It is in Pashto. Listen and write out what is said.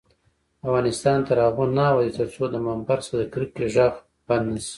افغانستان تر هغو نه ابادیږي، ترڅو د ممبر څخه د کرکې غږ بند نشي.